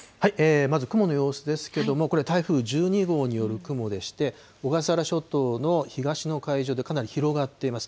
まず雲の様子ですけども、これ、台風１２号による雲でして、小笠原諸島の東の海上でかなり広がっています。